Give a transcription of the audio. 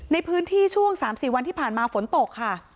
ในพื้นที่ช่วง๓๔วันที่ผ่านมาฝนตกค่ะ